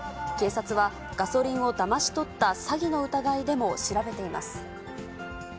警察はガソリンをだまし取った詐欺の疑いでも調べています。